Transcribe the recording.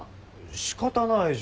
仕方ないじゃん。